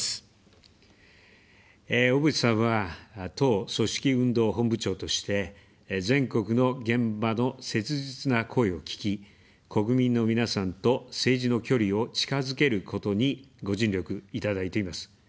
小渕さんは、党組織運動本部長として、全国の現場の切実な声を聞き、国民の皆さんと政治の距離を近づけることにご尽力いただいています。